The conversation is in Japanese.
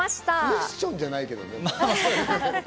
クエスチョンじゃないけどね。